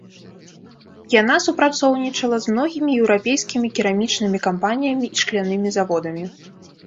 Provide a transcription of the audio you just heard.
Яна супрацоўнічала з многімі еўрапейскімі керамічнымі кампаніямі і шклянымі заводамі.